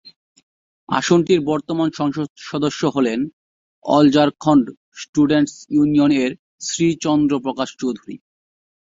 আসনটির বর্তমান সংসদ সদস্য হলেন অল ঝাড়খণ্ড স্টুডেন্টস ইউনিয়ন-এর শ্রী চন্দ্র প্রকাশ চৌধুরী।